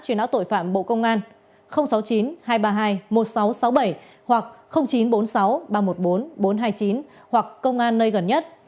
truy nã tội phạm bộ công an sáu mươi chín hai trăm ba mươi hai một nghìn sáu trăm sáu mươi bảy hoặc chín trăm bốn mươi sáu ba trăm một mươi bốn bốn trăm hai mươi chín hoặc công an nơi gần nhất